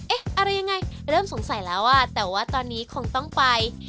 อะไรยังไงเริ่มสงสัยแล้วอ่ะแต่ว่าตอนนี้คงต้องไป